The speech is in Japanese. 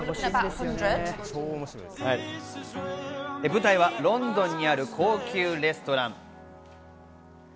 舞台はロンドンにある高級レストラン。